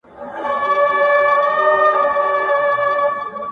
زما د تصور لاس در غځيږي گرانـي تــــاته ـ